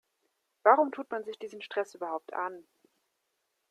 Warum tut man sich diesen Stress überhaupt an?